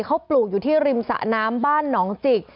เขาปลูกอยู่ที่ริมสะน้ำบ้านหนองจิก